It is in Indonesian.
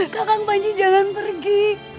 gakang banji jangan pergi